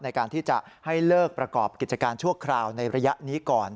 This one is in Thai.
ในการที่จะให้เลิกประกอบกิจการชั่วคราวในระยะนี้ก่อน